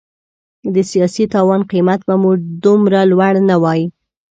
د سیاسي تاوان قیمت به مو دومره لوړ نه وای.